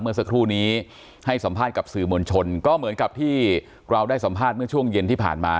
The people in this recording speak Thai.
เมื่อสักครู่นี้ให้สัมภาษณ์กับสื่อมวลชนก็เหมือนกับที่เราได้สัมภาษณ์เมื่อช่วงเย็นที่ผ่านมา